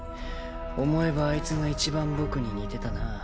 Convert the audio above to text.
思えばあいつがいちばん僕に似てたな。